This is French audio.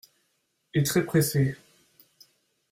Et très pressée.